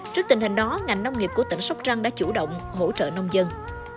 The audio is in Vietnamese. trước tình hình đó ngành nông nghiệp của tỉnh sóc trăng đã chủ động hỗ trợ nông dân